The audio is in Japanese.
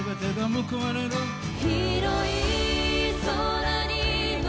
「広い空に」